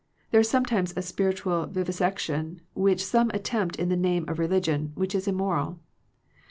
There is sometimes a spiritual vivisection which some attempt in the name of re ligion, which is immoral.